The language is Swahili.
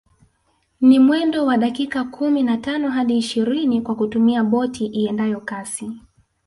Ni mwendo wa dakika kumi na tano hadi ishirini kwa kutumia boti iendayo kasi